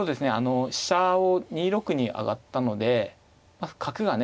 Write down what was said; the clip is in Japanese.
飛車を２六に上がったので角がね